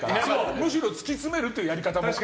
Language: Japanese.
むしろ突き詰めるというやり方も。